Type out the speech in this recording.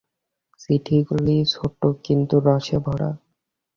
চিঠিগুলি ছোটো কিন্তু রসে ভরা।